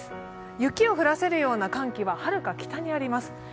雪を降らせるような寒気ははるか北にあります。